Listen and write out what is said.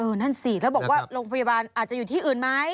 นั่นสิแล้วบอกว่าโรงพยาบาลอาจจะอยู่ที่อื่นไหม